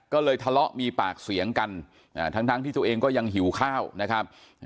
ก็เลยทะเลาะมีปากเสียงกันทั้งที่ตัวเองก็ยังหิวข้าวนะครับ